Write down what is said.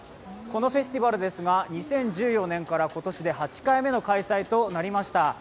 このフェスティバルですが２０１４年から今年で８回目の開催となりました。